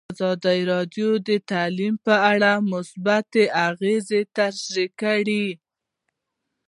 ازادي راډیو د تعلیم په اړه مثبت اغېزې تشریح کړي.